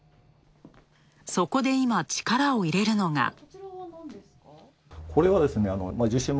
そこで今、力を入れるのが。